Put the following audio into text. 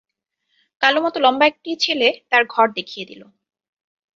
কালোমতো লম্বা একটি ছেলে তাঁর ঘর দেখিয়ে দিল।